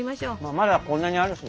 まだこんなにあるし。